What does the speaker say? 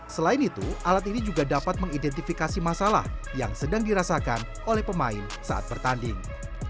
selain itu alat ini juga dapat mengidentifikasi masalah yang sedang dirasakan oleh pemain saat bertanding